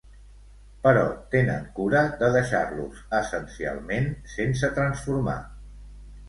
Però tenen cura de deixar-los essencialment sense transformar.